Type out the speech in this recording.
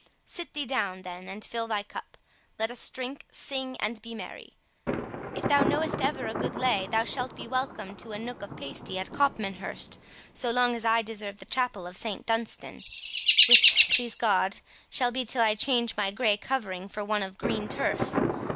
Sit thee down, then, and fill thy cup; let us drink, sing, and be merry. If thou knowest ever a good lay, thou shalt be welcome to a nook of pasty at Copmanhurst so long as I serve the chapel of St Dunstan, which, please God, shall be till I change my grey covering for one of green turf.